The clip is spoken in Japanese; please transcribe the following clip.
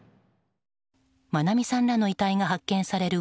愛美さんらの遺体が発見される